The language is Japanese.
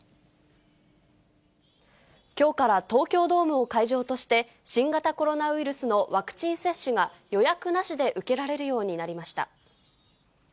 きょうから東京ドームを会場として、新型コロナウイルスのワクチン接種が、予約なしで受けられるようになりました。